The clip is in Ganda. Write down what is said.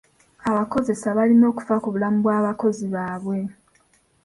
Abakoseza balina okufa ku bulamu bw'abakozi baabwe.